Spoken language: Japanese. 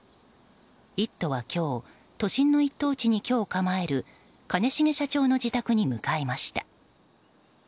「イット！」は今日都心の一等地に居を構える兼重社長の自宅に向かいました。